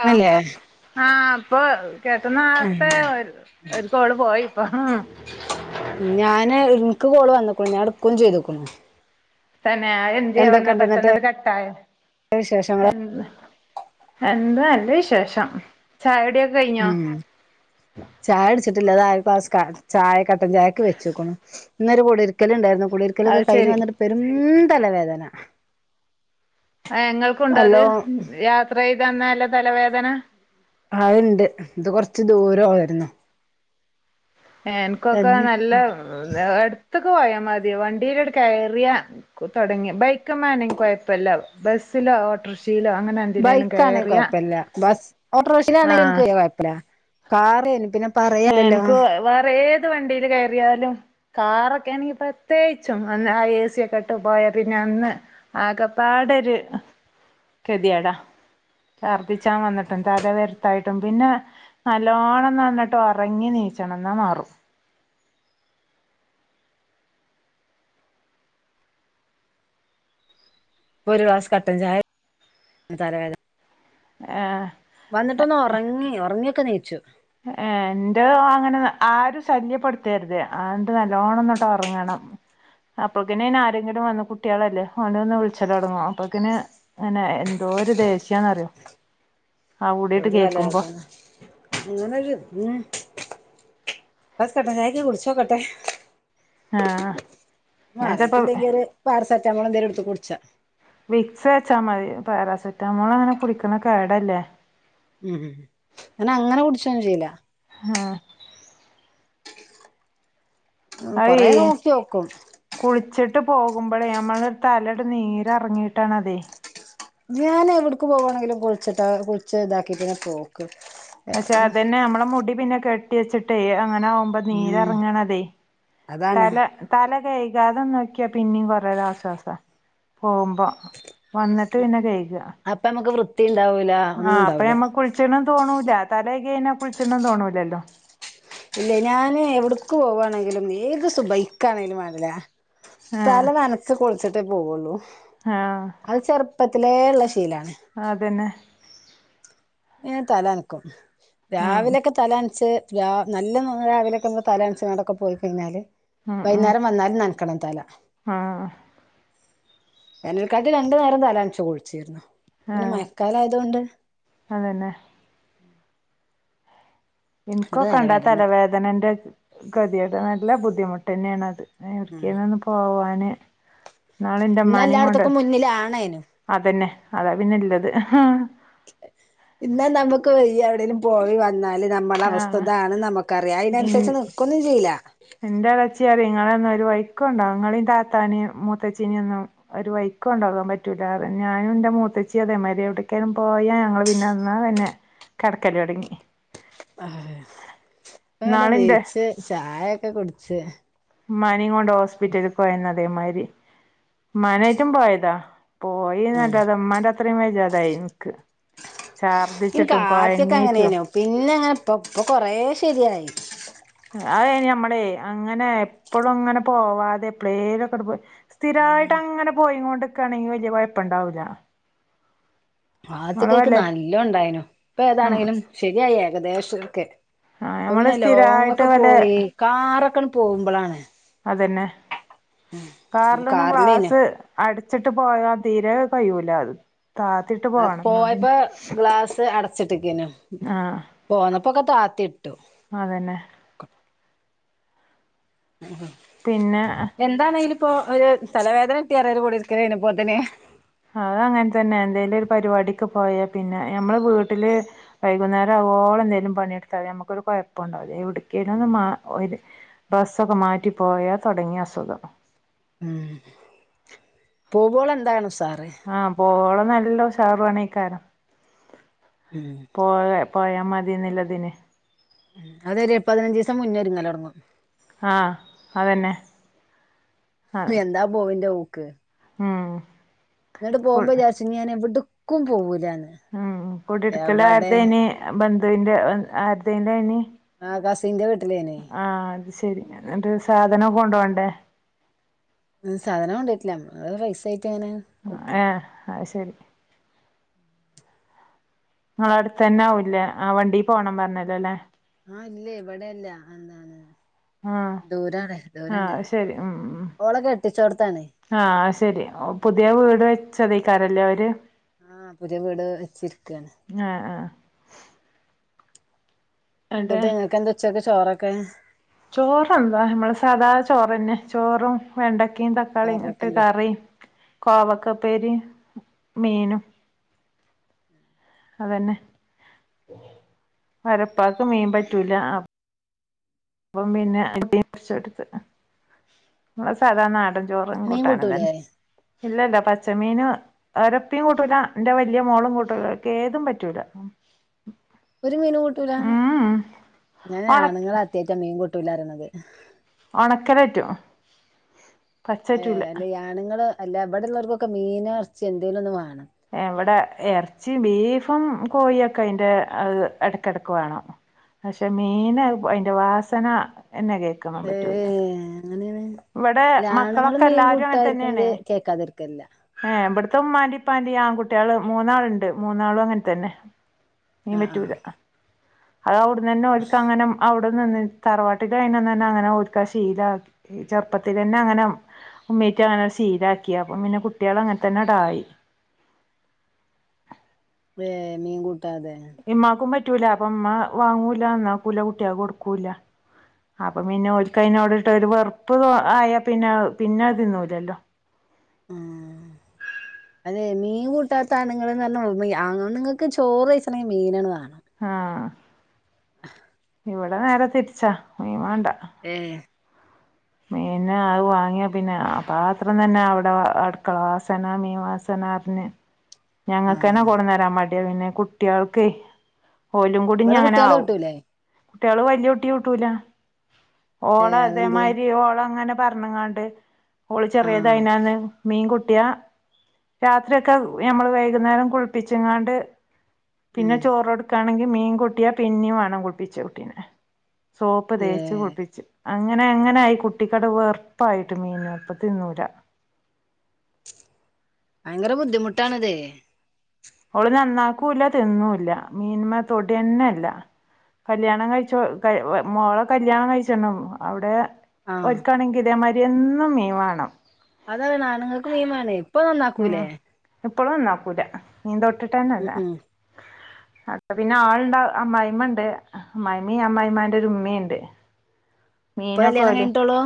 Hello ണല്ലേ ആഹ് പ്പൊ ചേട്ടനേർത്തെ വരു ഒരു കോൾ പോയിപ്പ ഹ് ഞാന് ഇൻക്ക് കോള് വന്നുക്കുണു. ഞാ ഇടക്കൂം ചെയ്തുക്കുണു തന്നെ ആ എന്ത്യേ ആവൊന്ന എന്നിട്ട് പെട്ടെന്ന്ട് കട്ടായ വിശേഷങ്ങള് എന്ത്‌ നല്ല വിശേഷം ചായടിയക് ഉം ചായടിച്ചിട്ടില്ല താ ഒര് ക്ലാസ് ചായ കട്ടൻ ചായക്ക് വെച്ച്ക്കുണു ഇന്നൊരു കുടിര്ക്കല്ണ്ടായിര്ന്നു കുടിരിക്കലൊക്കെ അത് കൈഞ്ഞ് ശരി വന്ന്ട്ട് പെരും തല വേദന ആഹ് ഇങ്ങൾക്കുണ്ടോ അത് യാത്രേയ്തന്നല്ല തലവേദന അത്ണ്ട് ഇത് കൊറച്ച് ദൂരോയിര്ന്ന് എനക്കൊക്കെ നല്ല അട്ത്ത്ക്ക് പോയാ മതി വണ്ടിയട് കയറിയാ തൊടങ്ങി ബൈക്കുമെനെ കൊയപ്പല്ല ബസ്സിലോ ഓട്ടോർഷീലോ അങ്ങന ബൈക്കാണെ കൊയപ്പല്ല ബസ് ഓട്ടോർഷീലാണെങ്കിലും ഇന്ക്ക് ആഹ് വല്യ കുഴപ്പല്ല കാറെനാ പിന്നെ ഏഹ് പറയാലല്ലോ ഇന്ക്ക് വേറേത് വണ്ടീല് കേറിയാലും കാറൊക്കെണെങ്കി പ്രത്യേകിച്ചും അന്ന ആഹ് എ സിയൊക്കെ ഇട്ട് പോയ പിന്നെ അന്ന് ആകപ്പാടൊരു കെതിയേടാ ഛർദ്ദിച്ചാൻ വന്നിട്ടും തല വെര്ത്തായിട്ടും പിന്നെ നല്ലോണംന്നങ്ങ ട്ടൊറങ്ങി നീച്ചണം ന്നാ മാറും അപ്പൊ ഒരു ക്ലാസ് കട്ടൻ ചായ തല വേത ഏഹ് വന്ന്ട്ടൊന്നൊറങ്ങി ഒറങ്ങിയൊക്കെനീച്ചു ഏ എന്റെ അങ്ങനെ ആരു ശല്യപ്പെട്ത്തര്തേ അങ്ങട്ട് നല്ലോണം ഒന്നണ്ട് ഒറങ്ങണം അപ്പക്കിനയിനാരെങ്കിലും വന്ന് കുട്ട്യേളല്ലേ ഓനൊന്ന് വിളിച്ചലൊടങ്ങും അപ്പക്കിന് അനെ എന്തോരു ദേഷ്യന്നറിയോ ആ വുടിഅട്ട് ഒരു കേക്കുമ്പോ തലവേദന അങ്ങനൊരു ഉം പസ് കട്ടൻ ചായക്ക കുടിച്ചോക്കട്ടെ ആഹ് ഞാൻ ചെലപ്പോ മാറിയിട്ടില്ലെങ്കി ഒരു പാരസെറ്റാമോൾ എന്തും എടുത്ത് കുടിച്ചാ വിക്സ്ചാ മതി പാരസെട്ടാമോൾ അങ്ങനെ കുടിക്ക്ണെ കേടല്ലേ ഉം ഞനൻ അങ്ങനെ കുടിച്ചോന്നും ചെയ്ല ഹ ഉം അയ് കൊറെ നോക്കി നോക്കും കുളിച്ചിട്ട് പോകുമ്പോഴേ നമ്മളരു തലയടെ നീര്റങ്ങിട്ടാണതെ ഞാൻ എവിടക്ക് പോകവാണെങ്കിലും കുളിച്ചിട്ടാ കുളിച്ച ഇതാക്കി പിന്നെ പോക്ക് പക്ഷെ അത് ന്നേ നമ്മളെ മുടി പിന്നെ കെട്ടി വെച്ചിട്ടേ അങ്ങനെ മ്പൊ ഉം നീരറങ്ങാണതെ അതാണ് തല തല കൈകാതെ നോക്കിയാ പിന്നെ കൊറേരാശ്വാസ പോകുമ്പോ വന്നിട്ട് പിന്നെ കഴിക അപ്പൊ നമുക്ക് വൃത്തി ഉണ്ടാവൂല ഒന്നും ആഹ് അപ്പ ഉണ്ടാവൂല നമ്മക്ക് കുളിച്ചെണം തോണൂല തല കഴികഴിഞ്ഞ കുളിച്ചെണ് തോന്നൂലല്ലോ ഇല്ല ഞാന് എവടക്ക് പോവാണേങ്കിലും ഏത് സുബയ്ക്ക് ആണെങ്കിലും വേണ്ടില ആഹ് തല നനച്ചു കുളിച്ചിട്ടേ പോവുള്ളു ആഹ് അത് ചെറുപ്പത്തിലേ ഉള്ള ശീലാണ് ആഹ് അതന്നെ ഏ തലനക്കും ഉം രാവിലെയൊക്കെ തലനനച്ച് ര നല്ല രാവിലെക്കെ തലനനച്ച് നടക്കെ പോയി കഴിഞ്ഞാല് ഉം ഉം വൈന്നാരം വന്നാലും നനക്കണം തല ആഹ് വേനൽ കാലത്ത് രണ്ടുനേരം തലൻച്ച് കുളിച്ചീരുന്നു പിന്നെ ആഹ് മഴക്കാലം ആയതോണ്ട് അതന്നെ ഉം. ഇൻക്കൊക്കെ ഇണ്ടാ തലവേദനന്റെ കെതിയേട് നല്ല ബുദ്ധിമുട്ട് തന്നേണത്. ഇന്നാ ഉം എവട്ക്കേലും ഒന്ന് പോവാന്. ഇന്നാള് ഇന്റെ ഇന്ന് ഇമ്മാനിം കൊണ്ട്, എല്ലായിടത്തേക്കും മുന്നിലാണേനും അതന്നെ അതാ പിന്നെല്ലത്. [unintelligible] ഇന്നാ നമുക്ക് വയ്യ എവിടേലും പോയി വന്നാല് നമ്മളെ അവസ്ഥ ആഹ് ഇതാണ് നമുക്കറിയാ. അയിനനുസരിച്ച് നിക്കൊന്നും ചെയ്യില്ല. ഇൻ്റെ എളേച്ചി പറയും ഇങ്ങളൊന്നും ഒര് വയിക്ക് കൊണ്ടോവാൻ ഇങ്ങളീം താത്താനിം മൂത്തച്ചിനിം ഒന്നും ഒരു വഴിക്ക് കൊണ്ടോകാൻ പറ്റൂല്ല പറയും. ഞാനും ഇന്റെ മൂത്തച്ചിം അതേ മായിരിയാ. എവിട്ക്കേലും പോയാ ഞങ്ങള് പിന്നെ എന്നാ പിന്നെ കെടക്കല് തൊടങ്ങി. ആഹ് ഇപ്പങ്ങനെ ഇന്നാളിന്റെ നീച്ച് ചായൊക്കെ കുടിച്ച്. ഇമ്മാനിം കൊണ്ട് ഹോസ്പിറ്റല്ക്ക് പോയന്ന് അതേമായിരി. ഇമ്മാനായിറ്റും പോയതാ. പോയി ഉം ന്നട്ട് അത് ഇമ്മാന്റെ അത്രിം വജ്ജാതായി ഇൻക്ക്. ഛർദിച്ചിട്ടും കൊഴങ്ങീറ്റും പിന്നെങ്ങനെ ഇപ്പം ഇപ്പം കൊറേ ശരിയായി. അതയ്ന് ഞമ്മളെ അങ്ങനെ എപ്പളും അങ്ങനെ പോവാതെ എപ്പളേലൊക്കട് പോയി സ്ഥിരായിട്ട് അങ്ങനെ പോയിങ്ങോണ്ട് നിക്കാണെങ്കി വല്യ കൊഴപ്പണ്ടാവൂല്ല. ആദ്യൊക്കെ ഇൻക്ക് നല്ലോം ഉണ്ടായിനു. ഇപ്പേതാണെങ്കിലും ശരിയായി ഏകദേശൊക്കെ. ആഹ് ഇപ്പൊ നമ്മള് പിന്നെ സ്ഥിരായിട്ട് ലോങ്ങൊക്കെ വല്ല പോയി കാറൊക്കെണ് പോകുമ്പളാണ്. അതന്നെ കാറിലൊന്നും കാറിലേനു ഗ്ലാസ് അടച്ചിട്ട് പോയാ തീരെ കയ്യൂലാത് താ അത് പോയപ്പോ ഗ്ലാസ് അടച്ചിട്ടക്കെനു. ആഹ് പോന്നപ്പൊ ഒക്കെ താത്തി ഇട്ടു. അതന്നെ. ഉംഹ് പിന്നെ എന്താണേലും ഇപ്പോ ഒരു തലവേദന കിട്ടി പറയാ ഒര് കുടിരിക്കല് കയിഞ്ഞപ്പോത്തിന്. അത് അങ്ങനെ തന്നെ എന്തേലും ഒരു പരിപാടിക്ക് പോയാ പിന്നെ ഞമ്മള് വീട്ടില് വൈകുന്നേരം ആവോളം എന്തെലും പണി ഇട്ത്താ മതി. നമുക്കൊരു കൊഴപ്പുണ്ടാവുല. എവിട്ക്കേലും ഒന്ന് മാ ഒര് ബസ്സൊക്കെ മാറ്റിപ്പോയാ തൊടങ്ങി അസുഖം. ഉം പോവോളം എന്താണ് ഉസാറ്. ആഹ് പോവോളം നല്ല ഉഷാറു ആണേക്കാരം. ഉം പോള പോയാ മതിന്ന് ഇല്ലതിന്. ഉം അതൊര് പതിനഞ്ചീസം മുന്ന് ഒരുങ്ങല് തൊടങ്ങും. ആഹ് അതന്നെ. ആഹ് എന്താ പോവിന്റെ ഊക്ക്. ഉം. ഇന്നട്ട് കു പോവുമ്പോ വിചാര്ച്ചും ഇഞ്ഞ് ഞാൻ എവിട്ക്കും പോവൂല്ലാന്ന്. ഉം കുടിരിക്കല് ആരെതേനി? ബന്ധുവിന്റെ ആരതേന്റെനി? ആഹ് കസിന്റെ വീട്ടിലേനി. അത് ശരി. എന്നിട്ട് സാധനൊക്കെ കൊണ്ടോവണ്ടേ? ഉം. സാധനം കൊണ്ടെയ്ട്ടില്ല നമ്മള് പൈസായിട്ട് ഇങ്ങനെ. ആഹ് കൊടുക്കെ ഏഹ്. അഹ് ശെരി. ഇങ്ങളെ അടുത്തന്നെ ആവുംല്ലേ ആഹ് വണ്ടി പോണം പറഞ്ഞല്ലോ ല്ലെ. ആഹ് ഇല്ലേ ഇവടെല്ല. എന്താണ് ആഹ് ദൂരാണ് ദൂരണ്ട് ആഹ് ശരി ഉം ഉം ഓളെ കെട്ടിച്ചോടത്താണ് ആഹ് അഹ് ശെരി പുതിയ വീട് വെച്ചതയിക്കാരല്ലേ അവര് ആഹ് പുതിയ വീട് വെച്ചിരിക്കാണ് ആഹ് ആഹ് എന്നിട്ട് നിങ്ങക്ക് എന്താ ഉച്ചക്ക്‌ ചോറൊക്കെ ചോറ് എന്താ നമ്മളെ സാധാ ചോറന്നെ ചോറും വെണ്ടക്കയും തക്കാ ളി കറിയൊക്കെ ഇട്ട് എന്തെ കറിയും കോവക്കപ്പേരി മീനും അതന്നെ ഓരെ ഇപ്പാക്ക് മീൻ പറ്റൂല അ അപ്പം പിന്നെ [unintelligible] കൊറച്ച് എടുത്തു നമ്മളെ സാധാ നാടൻ ചോറും മീൻ കൂട്ടാനും കൂട്ടൂലേ തന്നെ ഇല്ലല്ല പച്ചമീന് ഓരെ ഇപ്പയും കൂട്ടൂല എന്റെ വല്യ മോളും കൂട്ടൂല ഓൽക്ക്‌ ഏതും പറ്റൂല ഒരു മീനും കൂട്ടലാ ഉം ഞാന് ഒണക്ക് ആണുങ്ങള് അദ്യാറ്റ മീൻ കൂട്ടൂല പറയ്‌ണത് ഒണക്കല് പറ്റോ ഏഹ് അല്ലെ ആണുങ്ങൾ അല്ല ഇബടെ ഉള്ളവർക്കൊക്കെ മീൻ ഇറച്ച് എന്തേലും ഒന്ന് വേണം എവിടെ ഇറച്ചിയും ബീഫും കോഴിയൊക്കെ അയ്ന്റെ അത് ഇടക്കിടക്ക് വേണം പക്ഷെ മീന അയിന്റെ വാസന എന്നന്നെ കേക്കെൻ ഏ പറ്റൂല അങ്ങനെയാണ് ഇവിടെ അല്ല ആണുങ്ങളും മക്കളൊക്കെ മീൻ എല്ലാരും അങ്ങനെ കൂട്ടായിരിക്കുന്നത് തന്നെയാണേ കേൾക്കാതിരിക്കലില്ല ഏഹ് ഇവിടുത്തെ ഇമ്മാന്റിം ഇപ്പാന്റിം ആൺകുട്ടികള് മൂന്നാളുണ്ട് മൂന്നാളും അങ്ങനെ തന്നെ മീൻ ആ ആ പറ്റൂല അത് അവിടുന്നന്നെ ഓൽക്ക്‌ അങ്ങനെ അവി രണ്ടും തന്നെ തറവാട്ടില് ആയിനന്നന്നെ അങ്ങനെ ഓൽക്കത് ശീലാ ക്കി ചെറപ്പത്തിലന്നെ അങ്ങനെ ഉമ്മീറ്റ് അങ്ങനെ ശീലാക്കി അപ്പം പിന്നെ കുട്ട്യാള് അങ്ങനെ തന്നെ അണ്ടായി ഏഹ് മീൻ കൂട്ടാതെ ഇമ്മാക്കും പറ്റൂലാ അപ്പ ഇമ്മ വാങ്ങൂല്ല നന്നാക്കൂല കുട്ട്യാൾക്ക് കൊടുക്കൂല്ല അപ്പൊ പിന്നെ ഓൽക്ക്‌ അയ്നോട് ട്ടൊരു വെറുപ്പ് ആയാ പിന്നത് പിന്നെ അത് തിന്നൂല്ലല്ലോ ആഹ് അതെ മീൻ കൂട്ടാത്ത ആണുങ്ങള് പറഞ്ഞ ആണുങ്ങൾക്ക് ചോറ് വെയ്ച്ചണെങ്കിൽ മീനണ് വാണം ആഹ് ആഹ് ഇവടെ നേരെ തിരിച്ചാ മീൻ വാണ്ട ഏഹ് മീൻ അത് വാങ്ങിയാ പിന്നെ ആ പാത്രം തന്നെ അവിടെ അടുക്കള വാസന മീൻവാസന പറഞ്ഞ് ഞങ്ങക്കന്നെ ആഹ് കൊടുന്നരാൻ മടിയാ പിന്നെ കുട്ട്യാൾക്കെയ് ഓലും കൂടി ഇവിടെ കുട്ടികള് ഇഞ്ഞങ്ങനാവും കിട്ടൂലേ കുട്ട്യാള് വല്യ കുട്ടി കൂട്ടൂല ഓളെ ഏഹ് ഇതേമാ അതെന്തേ രി ഓളങ്ങനെ പറഞ്ങ്ങാണ്ട് ഓള് ആഹ് ചെറിയതായിനന്ന് മീൻ കൂട്ടിയ രാത്രിയൊക്കെ ഞമ്മള് വൈകുന്നേരം കുളിപ്പിച്ച്ങ്ങാണ്ട് പിന്നെ ഉം ചോറൊടുക്കാണെങ്കി മീൻ കുട്ടിയാ പിന്നിം വേണം കുളിപ്പിച്ച കുട്ടീനെ സോപ്പ് തേച്ച് ഏഹ് കുളിപ്പിച്ചും അങ്ങനെങ്ങനയി കുട്ടിക്കട് വെറുപ്പായിട്ട് മീന് ഇപ്പ തിന്നൂല വയങ്കര ബുദ്ധിമുട്ടാണ് ഇതേയ് ഓള് നന്നാക്കൂല്ല തിന്നൂല്ല മീന് മ്മെ തൊടന്നെല്ല കല്യാണം കഴിച്ചോ മോളെ കല്യാണം കഴിച്ചണം അവിടെ ആഹ് ഓൽക്കാണെങ്കിൽ ഇതേ മാരി എന്നും മീൻ വാണം അതാണ് ആണുങ്ങൾക്ക് മീൻ മാണെ ഇപ്പം ഉം നന്നാക്കൂല്ലേ ഇപ്പളും നന്നാക്കൂല മീൻ തൊട്ടിട്ടന്നെ ഉം ല്ല ഉം അപ്പ പിന്നെ ആള്ണ്ടാ അമ്മായിമണ്ട് അമ്മായിമിം അമ്മായിമാന്റോര് മ്മിണ്ട്. ഇപ്പൊ കല്യാണം മീനൊക്കൊല് കഴിഞ്ഞിട്ടോള്ളൂ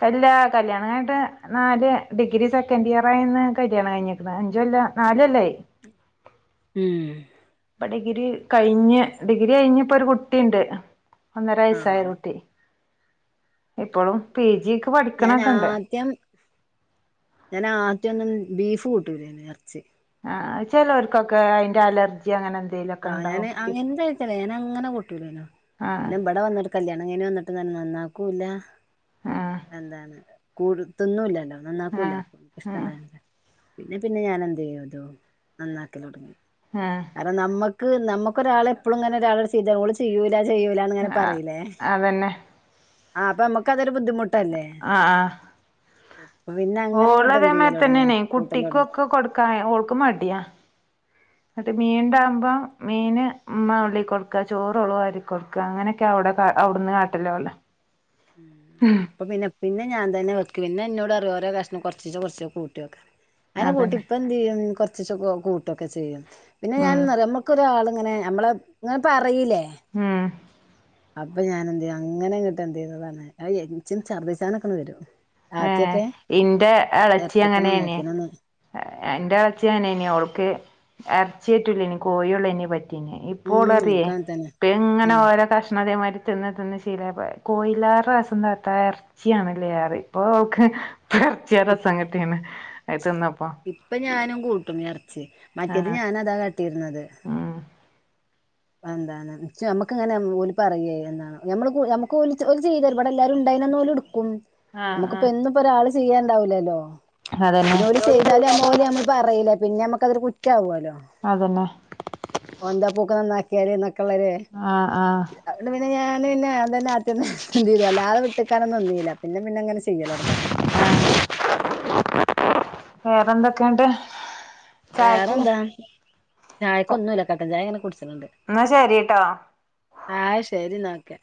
കല്യാ കല്യാണം കയ്ഞ്ട്ട് നാല് ഡിഗ്രിസെക്കൻഡ്ഇയറെന്ന് കല്ല്യാണം കയ്ഞ്ക്ക്നത് അഞ്ചുല്ലാ നാലൊല്ലായി. ഉം. ഇപ്പ ഡിഗ്രി കയിഞ്ഞ് ഡിഗ്രി കയ്ഞ്ഞ് ഇപ്പൊഒരു കുട്ടിണ്ട് ഒന്നര വയസ്സായ ഒര് ആഹ് കുട്ടി. ഇപ്പഴും പീജീക്ക് ഞാൻ പഠിക്കണക്കണ്ട്. ഞാനാആദ്യോന്നും ബീഫ് കൂട്ടൂലായ്ന്ന് എർച്ചി. ആഹ് അത് ചേലോർക്കൊക്കാ അയ്ന്റെ അലർ ജി അങ്ങനെന്തേലു ആഹ് ഞാന് [unintelligible] ഞാന അങ്ങനെ കൂട്ടൂലേനൂ ആ പിന്നെ ഇബടെ വന്ന്ട്ട് കല്ല്യാണം കയ്ഞ് വന്ന്ട്ട് തന്നെ നന്നാക്കൂല്ല ആ എന്താണ് കൂട് തിന്നൂല്ലല്ലോ ആ നന്നാക്കൂല്ല ആ ഇഷ്ടണ്ടാര്ന്നില. പിന്നെ പിന്നെ ഞാനഎന്തയ്യ്തോ നന്നാക്കലൊടങ്ങി. ആഹ്. കാര്ണം നമ്മക്ക് നമ്മക്കൊരാളെ എപ്പളുങ്ങനെ ഒരാള് ചെയ്താ ഓള് ചിയ്യൂലാ ചെയ്യൂലാ ന്ന്ങ്ങനെ ആ പറയിലേ. അതന്നെ ആഹ് അപ്പമ്മക്ക് അതൊരു ബുദ്ധിമുട്ടല്ലേ? ആ ആ അപ്പ പിന്നെ അങ്ങനെ ഓള് ഇങ്ങട്ടെന്തിയ്യലൊടങ്ങി കൂട്ടലോടങ്ങി. ക്കായ ഓൾക്ക് മടിയാ. ന്ന്ട്ട് മീൻണ്ടാവുംമ്പ മീന് ഇമ്മ നുള്ളി കൊട്ക്ക ചോറോള് വാരികൊട്ക്ക അങ്ങനെ ക്കവടെ കാ അവ്ട്ന്ന് കാട്ടല് ഓളെ ഉം അപ്പപിന്നെ പിന്നെ ഞാൻതന്നെ വെക്ക് പിന്നേ ന്നോട്റിം ഓരോ കഷ്ണം കൊർചീച്ചേ കൊർചീച്ചേ കൂട്ടിയോക്ക്റിം അങ്ങനേ കൂട്ടി അതന്നെ പ്പ ന്തിയ്യും കൊർച്ചീചെ കൂ കൂട്ട്ഒക്കചെയ്യും പിന്നെ ഉം ഞാൻന്തറിയോ നമ്മക്കൊരാള്ങ്ങനെ നമ്മളെ ങ്ങനെ പറയീലെ. ഉം. അപ്പ ഞാനഎന്ത്യ്യും അങ്ങനെ ഇങട്ട് എന്തീതതാണ് അയ് ‌ഇച്ച്ട്‌ ഛർദ്ദിച്ചാനൊക്കട്‌ വരും. ഏഹ് ആദ്യൊക്കെ ഇന്റെ ഇറച്ചിയൊക്കെ എളച്ചിഅങ്ങനേണേ. നന്നാക്കീനന്ന് എന്റെളച്ചി അങ്ങനേന് ഓൾക്ക് എർച്ചിറ്റൂലെന് കോയുള്ളേനു പറ്റ് ഉം ഇപ്പോളറിയേ ഇൻക്കും അങ്ങനെ തന്നെ പ്പഇങ്ങനെ ഉം ഓരോ കഷ്ണതെമാരി തിന്ന് തിന്ന് ശീലായപ്പോ കോയിലേറെ രസം താത്താ എർച്ചിയാണ്ലെറിം. പ്പൊൾക്ക് പ്പേർച്ചിയാ രസംക്ക്‌ട്ടീക്ക്ണ് അത് തിന്നപ്പോ. ഇപ്പ ഞാനുംകൂട്ടും എർച്ചി മറ്റത് ആഹ് ഞാനതാ കാട്ടീര്ന്നത്. ഉം വന്താന്ന് ഇച്ച് ഞമ്മക്ക് ഇങ്ങനെ ഓല് പറയെ എന്താണ് ഞമ്മള് കൂ ഞമ്മക്ക് ഓല് ഓല് ചെയ്തരും ഇബടെല്ലാരും ഇണ്ടായിന്നന്ന് ഓല്ട്‌ക്കും ആഹ് ഞമ്മക്ക്പ്പ ആഹ് എന്നും പ്പഒരാള് ചിയ്യാണ്ടാവുലല്ലോ അതന്നെ പിന്നെ ഓല് ചെയ് താല് ഞമ്മ ഓല്ഞമ്മളെ പറയീലെ പിന്നെ ഞമ്മക്കതൊര് കുറ്റാവുല്ലോ. അതന്നെ. ന്താപ്പൊഓക്ക് നന്നാക്കിയാല് ന്നൊക്കള്ളര് ആഹ് ആഹ് അതോണ്ട് പിന്നെ ഞാന് പിന്നെ അതന്നെ ആദ്യംതന്നെ എന്തീയ്തു വല്ലാതെ വ്ട്ട്ക്ക് കാനം ന്ന്ന്നീലാ പിന്നെ പിന്നെ അങ്ങനെ ചെയ്യലൊടങ്ങി. വേറെന്തൊക്കണ്ട്? വേറെന്താ? ചായക്കൊന്നുല്ല കട്ടൻചായ ഇങ്ങനെ കുടിച്ച്ണ് ണ്ട്. ഇന്നാ ശെരീട്ടോ. ആഹ് ശെരി ഇന്നാ ഓക്കെ.